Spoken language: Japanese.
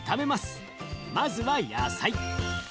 まずは野菜。